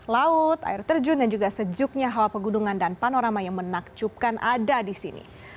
laut air terjun dan juga sejuknya hawa pegunungan dan panorama yang menakjubkan ada di sini